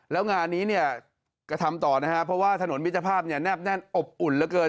แล้วงานนี้ก็ทำต่อนะฮะเพราะว่าถนนวิทยาภาพแนบแน่นอบอุ่นเหลือเกิน